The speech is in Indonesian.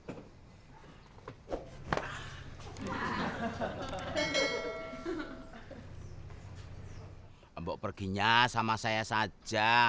untuk perginya sama saya saja